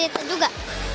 jadi atlet juga